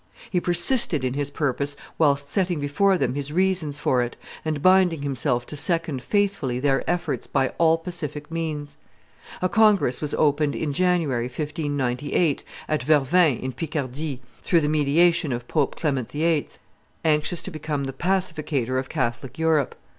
He persisted in his purpose whilst setting before them his reasons for it, and binding himself to second faithfully their efforts by all pacific means. A congress was opened in January, 1598, at Vervins in Picardy, through the mediation of Pope Clement VIII., anxious to become the pacificator of Catholic Europe.